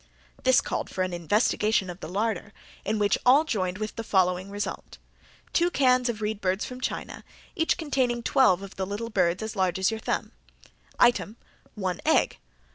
This called for an investigation of the larder in which all joined with the following result: Item two cans of reed birds from China, each containing twelve of the little birds as large as your thumb. Item one egg.